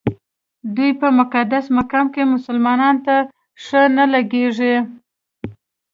دوی په مقدس مقام کې مسلمانانو ته ښه نه لګېږي.